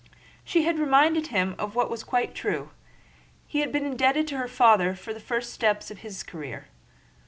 She had reminded him of what was quite true; he had been indebted to her father for the first steps in his career.